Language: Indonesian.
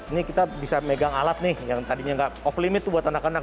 ini kita bisa megang alat nih yang tadinya nggak off limit tuh buat anak anak